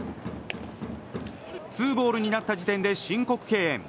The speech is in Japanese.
ツーボールになった時点で申告敬遠。